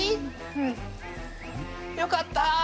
うん！よかった！